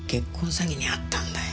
詐欺にあったんだよ。